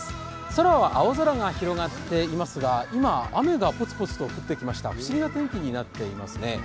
空は青空が広がっていますが今、雨がポツポツと降ってきました不思議な天気になっていますね。